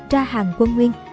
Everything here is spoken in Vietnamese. ra hàng quân nguyên